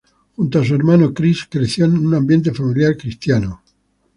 Junto a su hermano Chris, creció en un ambiente familiar cristiano.